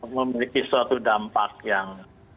memiliki suatu dampak yang